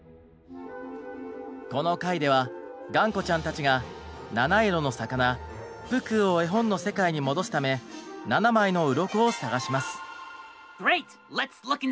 この回ではがんこちゃんたちがなないろのさかなプクーを絵本の世界に戻すため７枚のうろこを探します。